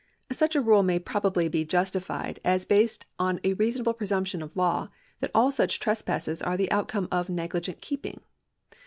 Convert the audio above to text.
^ Such a rule may probably be justified as based on a reasonable presumption of law that all such trespasses are the outcome of negligent keeping.